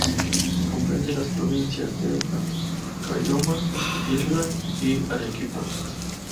Comprende las provincias de Caylloma, Islay y Arequipa.